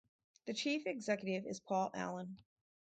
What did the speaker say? The Chief Executive is Paul Allen.